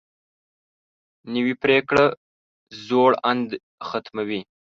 نوې پریکړه زوړ اند ختموي